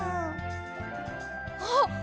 あっ！